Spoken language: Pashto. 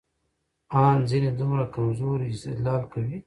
ان ځينې دومره کمزورى استدلال کوي،